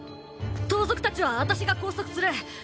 盗賊たちは私が拘束する。